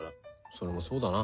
それもそうだな。